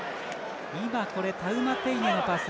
タウマテイネのパス。